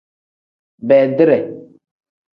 Beedire.